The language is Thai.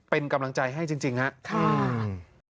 เป็นกำลังใจให้จริงครับ